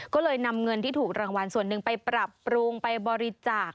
ก็เลยนำเงินที่ถูกรางวัลส่วนหนึ่งไปปรับปรุงไปบริจาค